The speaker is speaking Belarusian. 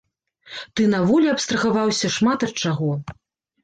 Ты на волі абстрагаваўся шмат ад чаго.